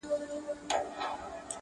• ما خو داسي نه ویل چي خان به نه سې..